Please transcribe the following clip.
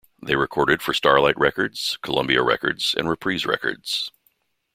They recorded for Starlite Records, Columbia Records and Reprise Records.